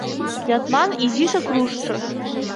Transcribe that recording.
Ятман изишак руштшо.